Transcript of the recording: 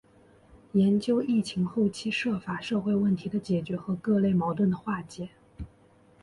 研究疫情后期涉法社会问题的解决和各类矛盾的化解